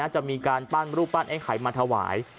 จะมีการปั้นรูปปั้นไอ้ไข่มาถวาย